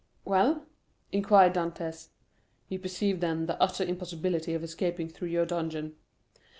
"Well?" inquired Dantès. "You perceive then the utter impossibility of escaping through your dungeon?"